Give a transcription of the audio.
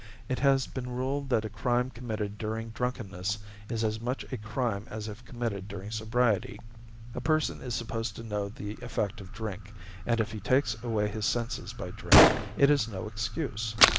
It has been ruled that a crime committed during drunkenness is as much a crime as if committed during sobriety. A person is supposed to know the effect of drink, and if he takes away his senses by drink it is no excuse.